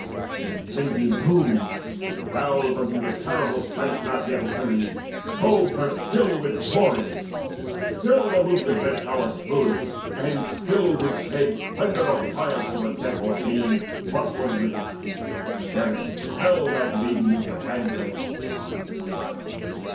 The impending Doom, Which roused unto the terrible strife not yet Achilles, clothed her still with glory; still Aloof the dread Power stood, and still would shed Splendour of triumph o'er the death ordained But for a little space, ere it should quell That Maiden 'neath the hands of Aeaeus' son.